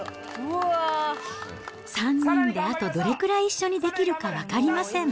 ３人であとどれくらい一緒にできるか分かりません。